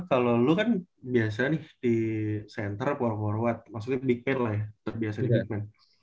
kalau lo kan biasa nih di center power forward maksudnya di pitman lah ya